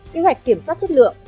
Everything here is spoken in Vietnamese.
kế hoạch kiểm soát chất lượng